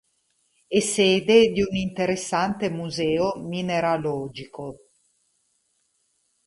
È sede di un interessante museo mineralogico.